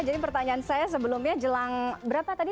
jadi pertanyaan saya sebelumnya jelang berapa tadi